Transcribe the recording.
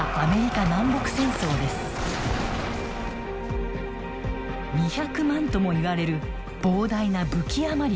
２００万ともいわれる膨大な武器余りが発生。